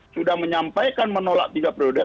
sudah menyampaikan menolak tiga periode